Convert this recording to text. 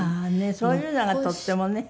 そういうのがとってもね。